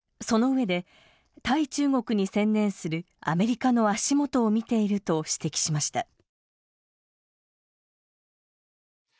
そのうえで対中国に専念するアメリカの足元を見ていると指摘しました。